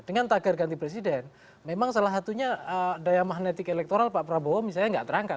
dengan tagar ganti presiden memang salah satunya daya magnetik elektoral pak prabowo misalnya nggak terangkat